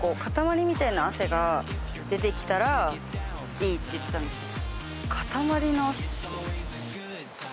何かって言ってたんですよ